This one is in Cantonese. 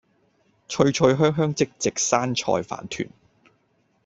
脆脆香香即席山菜飯糰